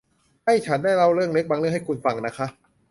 ให้ฉันได้เล่าเรื่องเล็กบางเรื่องให้คุณฟังนะคะ